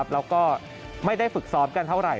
แล้วก็ไม่ได้ฝึกซ้อมกันเท่าไห